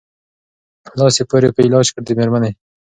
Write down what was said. لاس یې پوري په علاج کړ د مېرمني